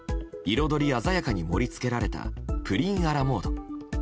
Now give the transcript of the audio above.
彩り鮮やかに盛り付けられたプリンアラモード。